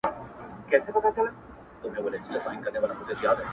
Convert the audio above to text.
الاهو دي نازولي دي غوږونه؟!!!